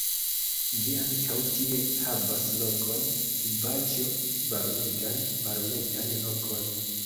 Vi ankaŭ tie havas lokon, Ivaĉjo, varmegan, varmegan lokon!